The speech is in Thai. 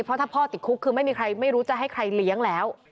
เพราะถ้าพ่อติดคุกคือไม่มีใครไม่รู้จะให้ใครเลี้ยงแล้ว